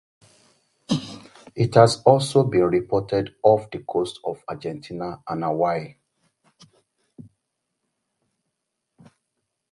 It has also been reported off the coasts of Argentina and Hawaii.